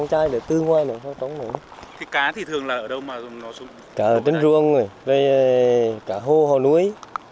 cá ở trên ruộng cả hồ hồ núi